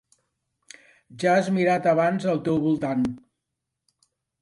Ja has mirat abans al teu voltant.